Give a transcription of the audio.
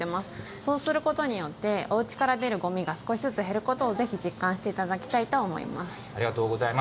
そうすることによって、おうちから出るごみが少しずつ減ることを、ぜひ実感していただきたいと思いありがとうございます。